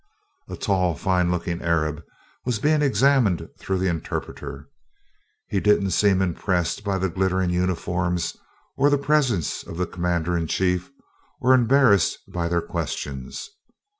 A tall, fine looking Arab was being examined through the interpreter. He didn't seem impressed by the glittering uniforms or the presence of the Commander in chief, or embarrassed by their questions.